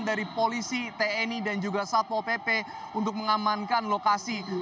dari polisi tni dan juga satpo pp untuk mengamankan lokasi